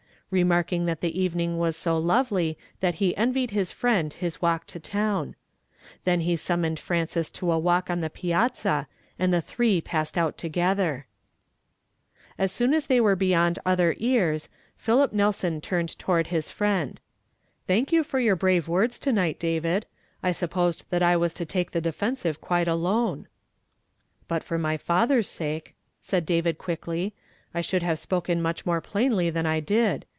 remarking that the eveniiip was so lovely that he envied his f iend his walk to town. Then he summoned Frances to a walk on the piazza, and the three i)iissed out together. A3 soon as they were beyond other eai s, Philip Nelson turned towa'tl liis friend. "Thank you for ji av^ ords to night, David; I supposed that I was to Lake the defensive quite alone." 74 YESTERDAY FKA.MED IN TO DAY. " But for my I'atlu'r'H .siike," said David (luickly, "1 should have spoken much more phiinly than I did.